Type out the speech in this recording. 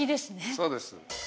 そうです。